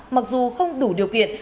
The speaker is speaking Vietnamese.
mặc dù không đủ điều kiện